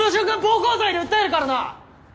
暴行罪で訴えるからな！